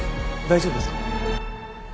大丈夫ですか？